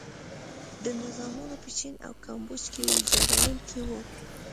دا نظامونه په چین او کامبوج کې ویجاړوونکي وو.